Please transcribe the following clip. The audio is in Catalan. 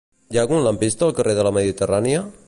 Hi ha algun lampista al carrer de la Mediterrània?